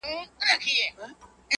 چاته وايی چي آواز دي اسماني دی.!